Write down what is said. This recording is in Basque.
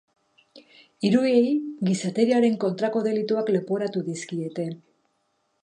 Hiruei gizateriaren kontrako delituak leporatu dizkiete.